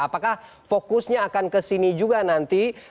apakah fokusnya akan ke sini juga nanti